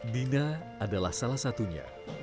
dina adalah salah satunya